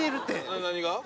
何が？